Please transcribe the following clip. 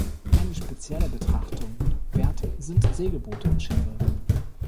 Eine spezielle Betrachtung wert sind Segelboote und -schiffe.